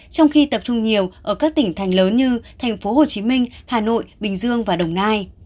trong khi tập trung nhiều ở các tỉnh thành lớn như thành phố hồ chí minh hà nội bình dương và đồng nai